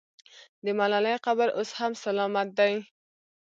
د ملالۍ قبر اوس هم سلامت دی.